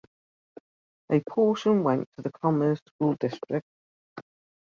A portion went to the Commerce school district.